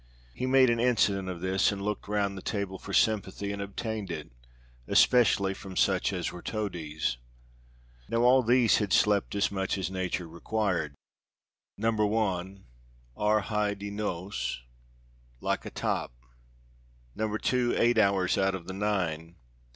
He made an incident of this, and looked round the table for sympathy, and obtained it, especially from such as were toadies. Now all these had slept as much as nature required. No. 1, ar hyd y nos like a top. No. 2, eight hours out of the nine.